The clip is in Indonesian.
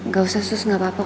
gak usah sus gapapa kok